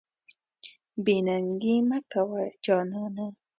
بې ننګي مه کوه جانانه.